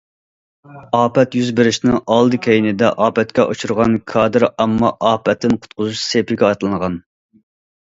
ئاپەت يۈز بېرىشنىڭ ئالدى- كەينىدە، ئاپەتكە ئۇچرىغان كادىر ئامما ئاپەتتىن قۇتقۇزۇش سېپىگە ئاتلانغان.